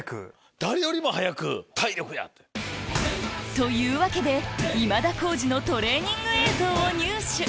誰よりも早く。というわけで今田耕司のトレーニング映像を入手